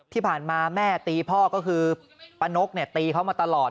ที่ผ่านมาแม่ตีพ่อก็คือป้านกตีเขามาตลอด